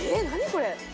これ！」